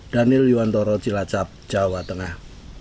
daniel yuwantoro cilacap jawa tengah